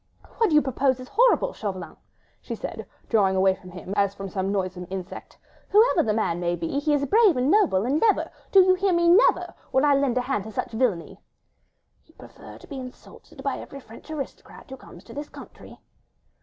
"What you propose is horrible, Chauvelin," she said, drawing away from him as from some noisome insect. "Whoever the man may be, he is brave and noble, and never—do you hear me?—never would I lend a hand to such villainy." "You prefer to be insulted by every French aristocrat who comes to this country?"